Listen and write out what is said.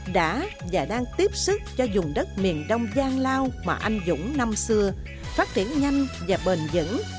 đã và đang tiếp sức cho dùng đất miền đông gian lao mà anh dũng năm xưa phát triển nhanh và bền dững